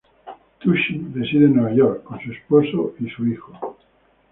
Tucci reside en Nueva York, con su esposo y su hijo.